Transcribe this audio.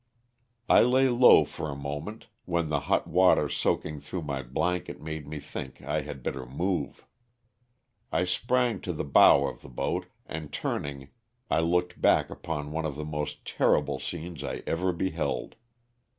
I lay low for a moment, when the hot water soaking through my blanket made me think I had better move. I sprang to the bow of the boat, and turning I looked back upon one of the most terrible scenes I ever beheld.